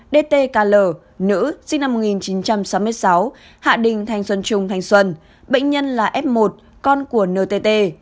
dt kl nữ sinh năm một nghìn chín trăm sáu mươi sáu hạ đình thành xuân trung thành xuân bệnh nhân là f một con của ntt